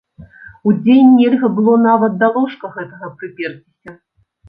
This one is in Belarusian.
Удзень нельга было нават да ложка гэтага прыперціся.